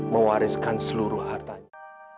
mewariskan seluruh hartanya